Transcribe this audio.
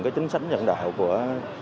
chính sách nhận đạo của